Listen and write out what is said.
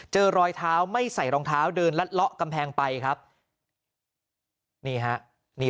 เจอรอยเท้าไม่ใส่รองเท้าเดินละละกำแพงไปครับนี่ครับมี